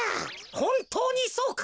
ほんとうにそうか？